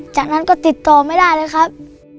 จากนั้นก็ติดต่อไม่ได้เลยครับ